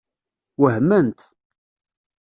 Wehment.